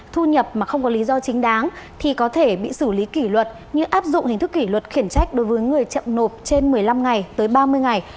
thu nhập mà không có lý do chính đáng thì có thể bị xử lý kỷ luật như áp dụng hình thức kỷ luật khiển trách đối với người chậm nộp trên một mươi năm ngày tới ba mươi ngày